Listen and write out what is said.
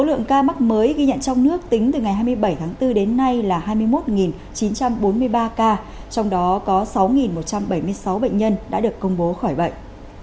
số ca mắc mới ghi nhận trong nước tính từ ngày hai mươi bảy tháng bốn đến nay là hai mươi một chín trăm bốn mươi ba ca trong đó có sáu một trăm bảy mươi sáu bệnh nhân đã được công bố khỏi bệnh